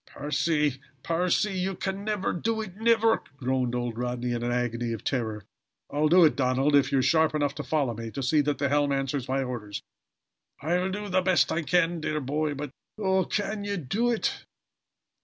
"Percy! Percy! You can never do it never!" groaned old Rodney in an agony of terror. "I'll do it, Donald, if you are sharp enough to follow me to see that the helm answers my orders." "I'll do the best I can, dear boy. But Oh, can ye do it?"